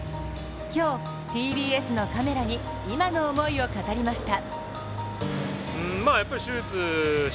今日、ＴＢＳのカメラに今の思いを語りました。